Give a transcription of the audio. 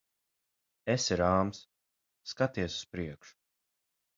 Esi rāms. Skaties uz priekšu.